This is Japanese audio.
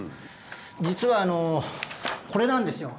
実はこれなんですよ。